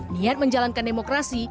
niat menjalankan demokrasi